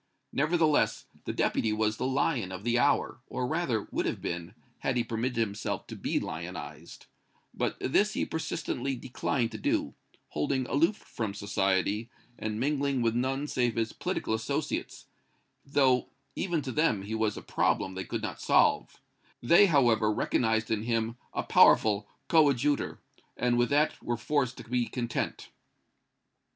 Nevertheless, the Deputy was the lion of the hour, or rather would have been, had he permitted himself to be lionized, but this he persistently declined to do, holding aloof from society and mingling with none save his political associates, though even to them he was a problem they could not solve; they, however, recognized in him a powerful coadjutor, and with that were forced to be content.